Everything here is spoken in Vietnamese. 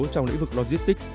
trong khi ở các nước phát triển